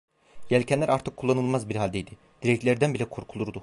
Yelkenler artık kullanılmaz bir haldeydi, direklerden bile korkulurdu.